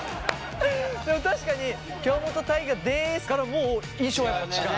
でも確かに「京本大我です」からもう印象は違う。